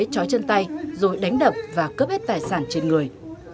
chói chân tay rồi đánh đập và cướp hết tài sản trên người